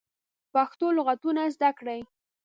پښتو لغاتونه زده کړی